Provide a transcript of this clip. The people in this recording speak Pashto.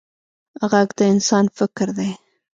غږ د انسان فکر دی